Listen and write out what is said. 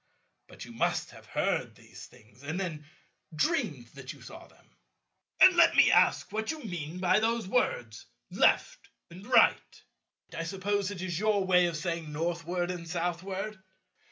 But you must have heard these things, and then dreamed that you saw them. And let me ask what you mean by those words 'left' and 'right.' I suppose it is your way of saying Northward and Southward."